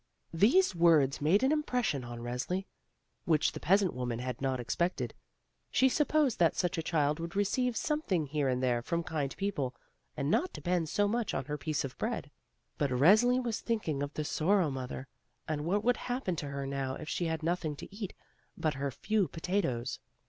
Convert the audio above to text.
These words made an impression on Resli, which the peasant woman had not expected. She supposed that such a child would receive some thing here and there from kind people, and not depend so much on her piece of bread. But Resli was thinking of the Sorrow mother, and what would happen to her now if she had noth ing to eat but her few potatoes.